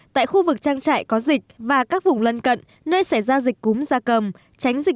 tại khu vực chống dịch cúm a h năm n sáu